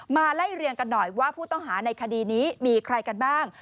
ไล่เรียงกันหน่อยว่าผู้ต้องหาในคดีนี้มีใครกันบ้าง